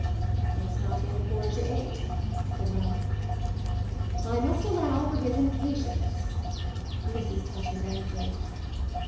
"It's not yet a quarter to eight," said Ralph. "I must allow for his impatience," Mrs. Touchett answered.